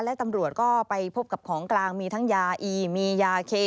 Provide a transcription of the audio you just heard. และตำรวจก็ไปพบกับของกลางมีทั้งยาอีมียาเค